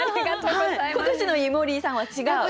今年の井森さんは違う。